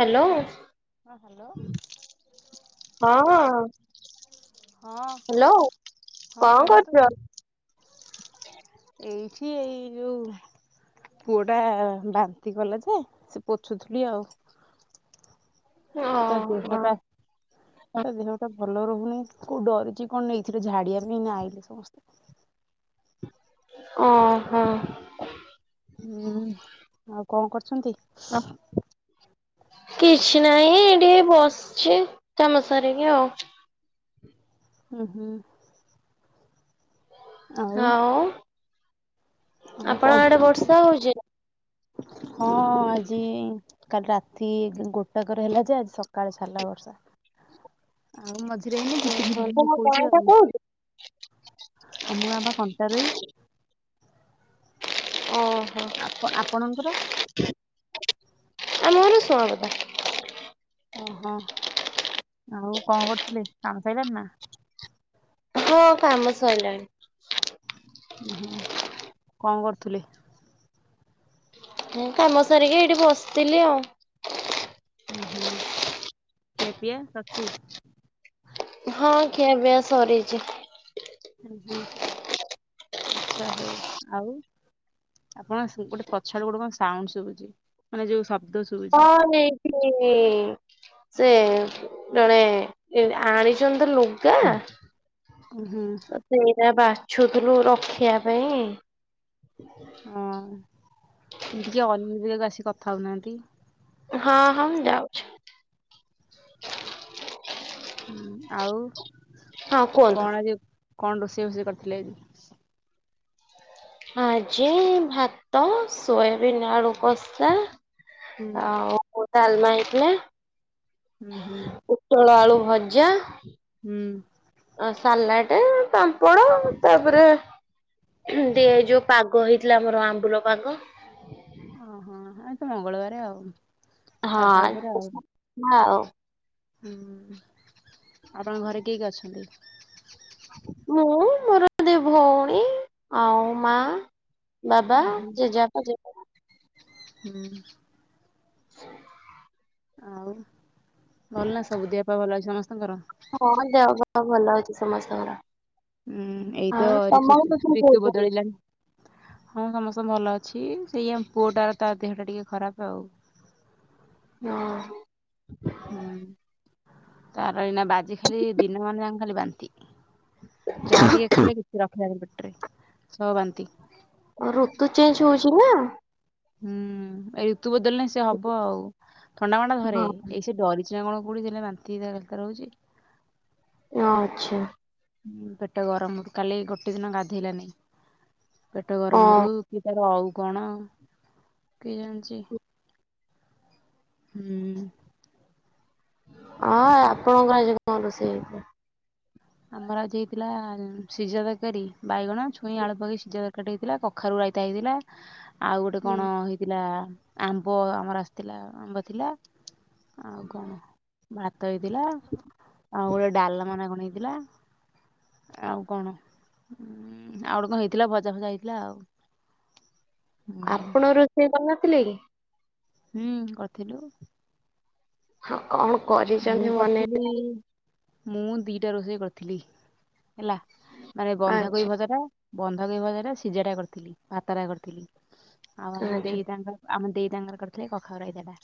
Hello. ହଁ hello ହଁ। ହଁ ହ୍ୟାଲୋ। ହଁ କଣ କୁହନ୍ତୁ କରୁଚ? ଏଇଠି ଏଇ ଯୋଉ ପୁଅ ଟା ବାନ୍ତି କଲା ଯେ ସେ ପୋଛୁଥିଲି ଆଉ। ତା ଦେହ ଓହୋ ଟା ତା ଦେହ ଟା ଭଲ ରହୁନି। କୋଉଠି ଡରିଚି କଣ ନେଇଥିଲୁ ଝାଡିବା ପାଇଁ ଏଇନେ ଆଇଲୁ ସମସ୍ତେ। ଅ ହଁ। ହୁଁ, ଆଉ କଣ କରୁଛନ୍ତି? କିଛି ନାହିଁ ଟିକେ ବସିଚି କାମ ସାରିକି ଆଉ। ଉଁ ହୁଁ। ଆଉ ଆଉ ଆପଣଙ୍କ କଣ ଆଡେ ବର୍ଷା ହଉଚି ନା? ହଁ ଆଜି କାଲି ରାତି ଗୋଟାକରେ ହେଲା ଯେ ଆଜି ସକାଳେ ଛାଡ଼ିଲା ବର୍ଷା। [inaudible] ଆଉ ମଝିରେ ଏଇନି ଝିପି ଝିପି ତମ ପକଉଚି ଗାଁ ଟା ଆଉ। କୋଉଠି? ଆମ ଗାଁ ବା କଣ୍ଟାରୋଇ। ଓହୋ। ଆପ ଆପଣଙ୍କର? ଆମ ଘର ଶୁଆଁବେଲା। ଅ ହଁ। ଆଉ କଣ କରୁଥିଲେ କାମ ସଇଲାଣିି ନା? ହଁ କାମ ସଇଲାଣି। ଉଁ ହୁଁ। କଣ କରୁଥିଲେ? ମୁଁ କାମ ସାରିକି ଏଇଠି ବସିଥିଲି ଆଉ। ଉଁ ହୁଁ। ଖିଆପିଆ ସରିଚି? ହଁ ଖିଆ ପିଆ ସରିଚି। ଉଁ ହୁଁ। ଆଚ୍ଛା ହଉ ଆଉ ଆପଣ ଗୋଟେ ପଛ ଆଡୁ ଗୋଟେ କଣ ସାଉଣ୍ଡ ଶୁଭୁଚି ମାନେ ଯୋଉ ଶବ୍ଦ ଶୁ ହଁ। [unintelligible] [unintelligible] ସେ ଜଣେ ଆଣିଛନ୍ତି ଲୁ ଗା। ଉଁ ହୁଁ ସେଇଟା ବାଛୁଥିଲୁ ରଖିବା ପାଇଁ। ହଁ ଟିକେ ଅନ୍ୟ ଯାଗା କୁ ଆସିିକି କଥା ହଉନାହାନ୍ତି। ହଁ ହଁ ମୁଁ ଯାଉଛି। ହୁଁ ଆଉ ହଁ କୁହନ୍ତୁ। କଣ ଆଜି କଣ ରୋଷେଇ ଫୋଷେଇ କରିଥିଲେ ଆଜି। ଆଜି ଭାତ ସୋୟାବିନ୍ ଆଳୁ କଷା। ହୁଁ ଆଉ ତାଲମା ହେଇଥିଲା। ହୁଁ ହୁଁ। ଟୋଳ ଆଳୁ ଭଜା। ହୁଁ। ଅ ସାଲାଟ ପାମ୍ପଡ ତାପରେ ଟ ଯୋଉ ପାଗ ହେଇଥିଲା ଆମର ଆମ୍ବୁଲ ପାଗ। ଓହୋ ଏତ ମଙ୍ଗଳବାର ଆଉ ସାଧା ହଁ ଉପରେ ଆଉ। ନା ଆଉ ହୁଁ ଆପଣଙ୍କ ଘରେ କିଏ କିଏ ଅଛନ୍ତି? ମୁଁ ମୋର ଦି ଭଉଣୀ ଆଉ ମା। ବାବା ଉଁ ହଁ ଜେଜେବାପା ଜେଜେମା ହୁଁ। [inaudible] ଆଉ ଭଲ ନା ସବୁ ଦିହପା ଭଲ ଅଛି ସମସ୍ତଙ୍କର। ହଁ ଦେହପା ଭଲ ଅଛି ସମସ୍ତଙ୍କର। ହୁଁ ଏଇତ ଆଉ ଋତୁ ତମର ସବୁ ଋତୁ କହୁଛନ୍ତି। ବଦଳିଲାଣି। ହଁ ସମସ୍ତେ ଭଲ ଅଛି, ସେଇଆ ପୁଅଟା ତା ଦେହଟା ଟିକେ ଖରାପ ଆଉ। ହଁ। ହୁଁ ତାର ଏଇନା ବାଜି ଖାଲି ଦିନ ମାନ ଯାକ ଖାଲି ବାନ୍ତି। ଯାହା ଟିକେ ଖାଇଲେ କିଛି ରଖିଲାନି ପେଟରେ ସବ ବାନ୍ତି। ଋତୁ ଚେଞ୍ଜ ହଉଛିି ନା। ହୁଁ ଏ ଋତୁ ବଦଲିନା ସେ ହବ ଆଉ ଥଣ୍ଡାଫଣ୍ଡା ଧରେ, ହଁ ଏଇ ସେ ଡରି ଯାଉନୁ କଣ କୁଡ଼ିଥିଲା ବାନ୍ତି ଦରକାର ହଉଛି। ନା ଆଚ୍ଛା। ହୁଁ ପେଟ ଗରମ କାଲି ଗୋଟେ ଦିନ ଗାଧେଇଲାନି। ପେଟ ଓ ଗରମରୁୁ କି ତାର ଆଉ କଣ? କି ଜାଣିଛି, ହୁଁ। ହଁ ଆପଣଙ୍କର ଆଜି କଣ ରୋଷେଇ ହେଇଛି? ଆମର ଆଜି ହେଇଥିଲା ସିଝା ତରକାରୀ, ବାଇଗଣ, ଛୁଇଁ, ଆଳୁ ହେଇଥିଲା? ପକେଇ ସିଝା ତରକାରୀ ହେଇଥିଲା, କଖାରୁ ରାଇତା ହେଇଥିଲା। ଆଉ ଗୋଟେ କଣ ହେଇଥିଲା, ଆମ୍ବ ଆମର ଆସିଥିଲା ଆମ୍ବ ଥିଲା। ଆଉ କଣ ଭାତ ହେଇଥିଲା ଆଉ ଗୋଟେ ଡାଲମା ନା କଣ ହେଇ ହେଇଥିଲା। ଆଉ କଣ? ଆଉ ଗୋଟେ କଣ ହେଇଥିଲା ଭଜା ଫଜା ହେଇଥିଲା ଆଉ ହୁଁ ଆପଣ ରୋଷେଇ କରି ନ ଥିଲେ କି? ହୁଁ କରିଥିଲୁ। ହଉ କଣ କରି ମୁଁ କରିଥିଲି, ମୁଁ ଦିଟା ରୋଷେଇ କରିଥିଲି ହେଲା। ମାନେ ଆଚ୍ଛା ବନ୍ଧାକୋବି ଭଜାଟା ବନ୍ଧାକୋବି ଭଜାଟା ସିଝାଟା କରିଥିଲି, ଭାତଟା କରିଥିଲି। ଆଉ ଆମ ଆଚ୍ଛା ଦେଇ ତାଙ୍କର ଆମ ଦେଇ ତାଙ୍କର କରିଥିଲେ କଖାରୁ ରାଇତାଟା।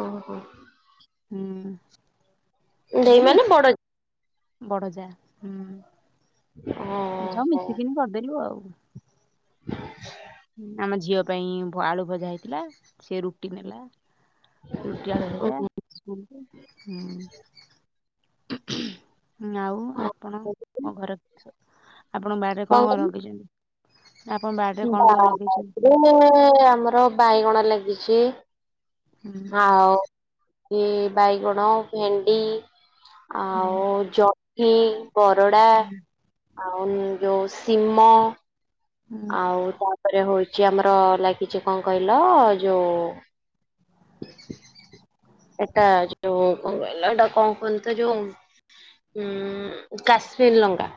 ଓହୋ। ହୁଁ। ଦେଇ ମାନେ ବଡ। ବଡ଼ଜା ହୁଁ। ହଁ। ହଁ ମିଶିକିନି କରିଦେଲୁ ଆଉ। ହୁଁ ସେଇଆ। ଆମ ଝିଅ ପାଇଁ ଆଳୁ ଭଜା ହେଇଥିଲା। ସେ ରୁଟି ନେଲା। ରୁଟି ଆଳୁଭଜା। [unintelligible] ହୁଁ। ହୁଁ ଆଉ ଆପଣଙ୍କ ଘେର ଆପଣଙ୍କ ବାଡ଼ିରେ କଣ କଣ ଲଗେଇଚନ୍ତି? ଆପଣ ବା ବାଡିରେ ଆମର ବାଇଗଣ ଲାଗିଛି। ହୁଁ ଆଉ ଏ ବାଇଗଣ, ଭେଣ୍ଡି ହୁଁ ଆଉ ଜହ୍ନି, ବରଡ଼ା। ହୁଁ ଆଉ ଯୋଉ ଶିମ ଆଉ ତାପରେ ହଉଛି ଆମର ଲାଗିଛି କଣ କହିଲ ଯୋଉ ଏଟା ଯୋଉ କଣ କହିଲ, ଏଟା କଣ କହନ୍ତି ତ ଯୋଉ ଉଁ, କାଶ୍ମୀର ଲଙ୍କା।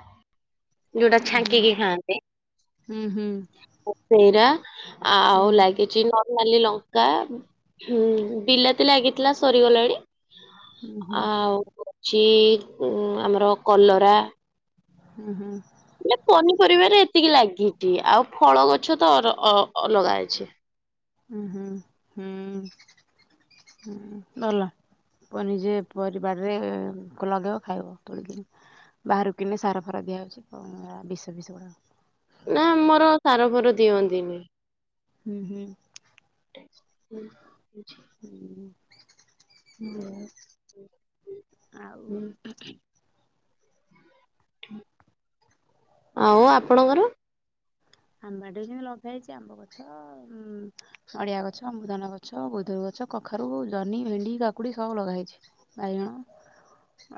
ଯୋଉଟା ହୁଁ ଛାଙ୍କିକି ହୁଁ ଖାଆନ୍ତି। ହୁଁ ସେଇରା ହୁଁ ଆଉ ହୁଁ ଲାଗିଚି ନ ନାଲି ଲଙ୍କା ହୁଁ, ବିଲାତି ଲାଗିଥିଲା ସରିଗଲାଣି। ହୁଁ ହୁଁ ଆଉ ଅଛି ଉଁ, ଆମର କଲରା। ହୁଁ, ହୁଁ। [inaudible] ପନିପରିବାରେ ଏତିକି ଲାଗିଚି। ଆଉ ଫଳ ଗଛ ତ ଅର ଅ, ଅଲଗା ଅଛି। ହୁଁ, ହୁଁ, ହୁଁ, ହୁଁ ଭଲ। ପ-ନିଜେ ପରି ବାରିରେ କଣ ଲଗେଇବ ଖାଇବ ତୋଳିକିରି। ବାହାରୁ କିଣିନେ ସାର ଫାର ଦିଆହଉଛି କଣ ସେରା ବିଷ ଫିଷ ଗୁଡା। ନା ଆମର ସାର ଫାର ଦିଅନ୍ତିନି। ହୁଁ, ହୁଁ। [inaudible] ହୁଁ। [inaudible] ଆଉ ହୁଁ ଆଉ ଆପଣଙ୍କର? ଆମ ବାଡିରେ ବି ସେମିତି ଲଗାହେଇଛି ଆମ୍ବା ଗଛ ଆଉ ଉଁ, ନଡିଆ ଗଛ, ଅମୃତଭଣ୍ଡା ଗଛ, ବୋଇତାଳୁ ଗଛ, କଖାରୁ, ଜହ୍ନି, ଭେଣ୍ଡି, କାକୁଡି ସବୁ ଲଗା ହେଇଛି। ବାଇଗଣ।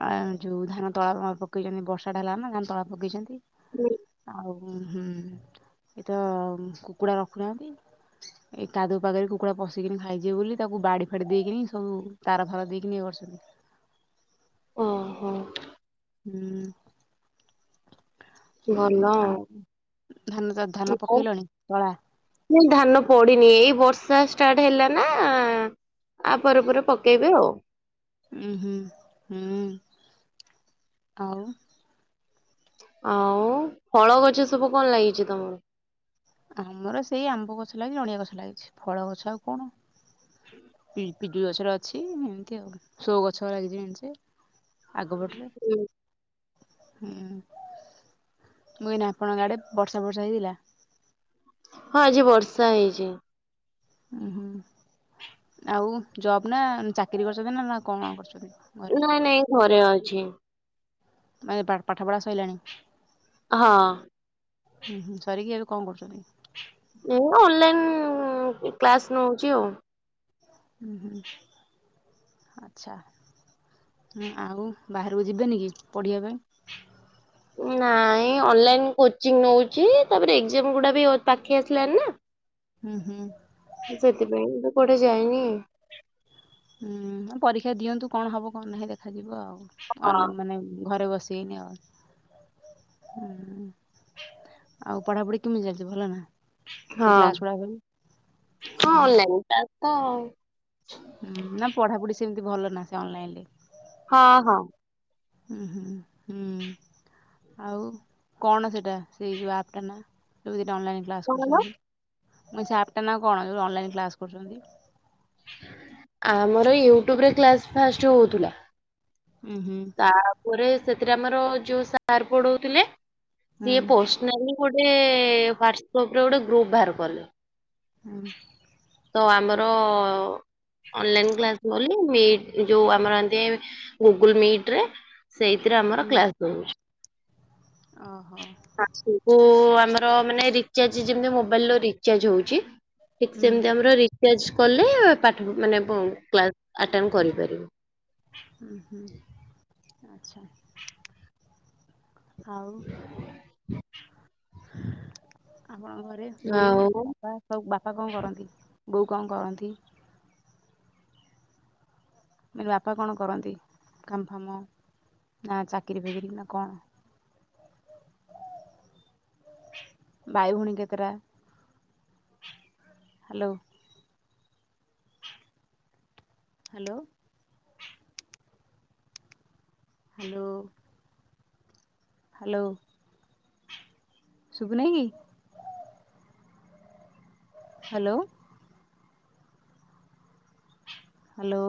ଆଉ ଯୋଉ ଧାନ ତଳା ଆମର ପକେଇଚନ୍ତି। ବର୍ଷା ଟା ହେଲା ନା ଧାନ ତଳା ପକେଇଛନ୍ତି। ଆଉ ହୁଁ, ଏ ତ କୁକୁଡ଼ା ରଖୁନାହାନ୍ତି। ଏଇ କାଦୁଅ ପାଗରେ କୁକୁଡ଼ା ପଶିକିନି ଖାଇଯିବେ ବୋଲି ତାକୁ ବାଡି ଫାଡି ଦେଇକିନି ସବୁ ତାର ଫାର ଦେଇକିନି ଇଏ କରିଛନ୍ତି। ଓହୋ। ହୁଁ, ହୁଁ, ଆଉ ଧାନ ଚା ଧାନ ପକେଇଲଣି ତଳା? ନା ଧାନ ପଡିନି ଏଇ ବର୍ଷା ଷ୍ଟାର୍ଟ ହେଲା ନା। ଆ ପରେ ପରେ ପକେଇବେ ଆଉ। ଉଁ, ହୁଁ, ହୁଁ, ଆଉ। ଆଉ ଫଳ ଗଛ ସବୁ କଣ ଲାଗିଛି ତୋମର? ଆମର ସେଇ ଆମ୍ବ ଗଛ ଲାଗିଛି, ନଡିଆ ଗଛ ଲାଗିଛି ଫଳ ଗଛ ଆଉ କଣ। ପି -ପିଜୁଳି ଗଛର ଅଛି ଏମତି ଆଉ ସୋ ଗଛ ଲାଗିଛି ମେଞ୍ଚେ। ଆଗ ପଟରେ। ହୁଁ, ହୁଁ, ମୁଁ କଇନି ଆପଣଙ୍କ ଆଡ଼େ ବର୍ଷା ବର୍ଷା ହେଇଥିଲା? ହଁ ଆଜି ବର୍ଷା ହେଇଛି। ଅଁ, ହୁଁ, ଆଉ ଜବ୍ ନା ଚାକିରି କରିଛନ୍ତି ନା, ନା କଣ କରଛନ୍ତି? ନାଇଁ ନାଇଁ ଘରେ ଅଛି। ମାନେ ପା -ପାଠ ପଢ଼ା ସଇିଲାଣି? ହଁ। ହୁଁ, ହୁଁ, ସରିକି ଏବେ କଣ କରୁଛନ୍ତି? ଏଉ ଅନଲାଇନ୍ କ୍ଲାସ୍ ନଉଛି ଆଉ। ହୁଁ ହୁଁ। ଆଚ୍ଛା ହୁଁ ଆଉ ବାହାରୁକୁ ଯିବେନି କି ପଢ଼ିବା ପାଇଁ। ନାଇଁ ଅନଲାଇନ କୋଚିଙ୍ଗି ନୋଉଚି ତାପରେ ଏକ୍ସାମ ଗୁଡା ବି ଅ ପାଖେଇ ଆସିଲାଣି ନା। [inaudible] ଉଁହୁଁ। ସେଥିପାଇଁ [unintelligible] କୁଆଡେ ଯାଏନି। ହୁଁ ହଁ ପରୀକ୍ଷା ଦିଅନ୍ତୁ କଣ ହବ କଣ ନାହିଁ ଦେଖାଯିବ ଆଉ ହଁ [unintelligible] ମାନେ ଘରେ ବସି [unintelligible] ହୁଁ ଆଉ ପଢାପଢି କେମିତି ଚାଲିଚି ଭଲ ନା। ସେ ହଁ କ୍ଲାସ ଗୁଡା ହୁଁ ହୁଁ ହଁ ଅନଲାଇନ୍ [unintelligible] ତ। ହୁଁ ନା ପଢାପୁଢି ସେମିତି ଭଲ ନାଁ ସେ ଅନଲାଇନଲେ। ହଁ ହଁ। ଉଁହୁଁ ହୁଁ। ଆଉ କଣ ସେଟା ସେଇ ଯେଉ ଆପ୍ ଟା ନା ଯୋଉ ଦିଟା ଅନଲାଇନ୍ କ୍ଲାସ୍ କଣ କରୁଛନ୍ତି ମୁଁ କହିଲି ସେ ଆପ୍ ଟା ନା କଣ ଯୋଉରା ଅନଲାଇନ୍ କ୍ଲାସ୍ କରୁଛନ୍ତି। ଆମର ୟୁଟ୍ୟୁବରେ କ୍ଲାସ ଫାଷ୍ଟ ହୋଉଥୁଲା। ଉଁହୁଁ। ତାପରେ ସେଥିରେ ଆମର ଯୋଉ ସାର୍ ପଢ଼ୋଉଥୁଲେ ହୁଁ ସିଏ ପୋଷ୍ ମାନେ ଗୋଟେ ୱାଟସପ୍ ରେ ଗୋଟେ ଗ୍ରୁପ ବାହାର କଲେ। ହୁଁ। ତ ଆମର ଅନଲାଇନ୍ କ୍ଲାସ ବୋଲି ମିଟ୍ ଏ ଯୋଉ ଆମର ଆନ୍ତି ଗୁଗୁଲ୍ ମିଟ୍ ରେ ସେଇଥିରେ ଆମର ହୁଁ କ୍ଲାସ। [unintelligible] ଓହୋ ମାସୁକୁ ଆମର ମାନେ ରିଚାର୍ଜ ଯେମିତି ମୋବାଇଲିର ରିଚାର୍ଜ ହୋଉଚି। ହୁଁ ସେମିତି ଆମର ରିଚାର୍ଜ କଲେ ପାଠ ମାନେ ବ କ୍ଲାସ୍ ଆଟେମ୍ କରିପାରିବୁ। ଉଁହୁଁ ଆଚ୍ଛା। ଆଉ। [unintelligible] ରେ ବୋଉ ଆଉ ବାପା ସବୁ ବାପା କଁ କରନ୍ତି ବୋଉ କଁ କରନ୍ତି। ମାନେ ବାପା କଣ କରନ୍ତି କାମ ଫାମ ନା ଚାକିରି ଫାକିରି ନା କଣ। [inaudible] ଭାଇ ଭୋଉଣୀ କେତେଟା। ହାଲୋ। ହାଲୋ। ହାଲୋ। ହାଲୋ। ଶୁବୁନେଇ କି। ହାଲୋ। ହାଲୋ।